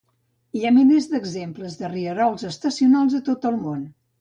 Hi ha milers d'exemples de rierols estacionals a tot el món.